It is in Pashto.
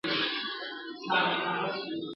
د کمزوري هم مرګ حق دی او هم پړ سي !.